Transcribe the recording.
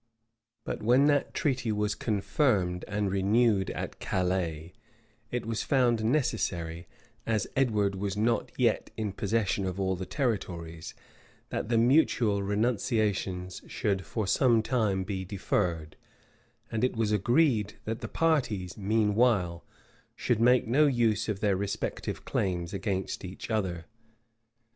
But when that treaty was confirmed and renewed at Calais, it was found necessary, as Edward was not yet in possession of all the territories, that the mutual renunciations should for some time be deferred; and it was agreed, that the parties, meanwhile, should make no use of their respective claims against each other.